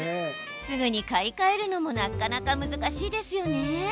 すぐに買い替えるのもなかなか難しいですよね。